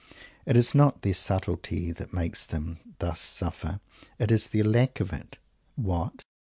It is not their subtlety that makes them thus suffer; it is their lack of it. What?